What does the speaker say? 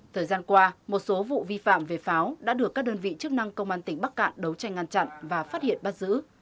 thời gian qua một số vụ vi phạm về pháo đã được các đơn vị chức năng công an tỉnh bắc cạn đấu tranh ngăn chặn và phát hiện bắt giữ